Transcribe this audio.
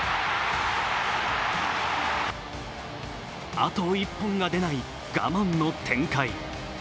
あと１本が出ない、我慢の展開。